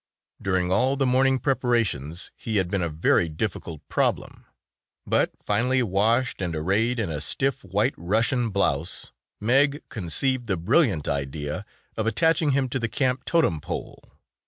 During all the morning preparations he had been a very difficult problem, but finally washed and arrayed in a stiff white Russian blouse, Meg conceived the brilliant idea of attaching him to the camp totem pole.